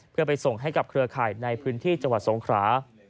เพื่อไปส่งให้กับเครือข่ายในพื้นที่จังหวัดสงครา